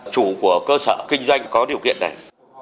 chủ của cơ sở kinh doanh có điều kiện để